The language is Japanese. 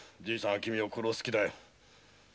じいさんは君を殺す気だよ。